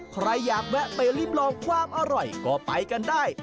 ใครอยากแวะไปรีบลองความอร่อยก็ไปกันได้